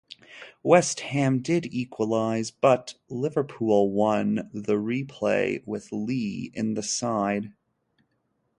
West Ham did equalise but Liverpool won the replay with Lee in the side.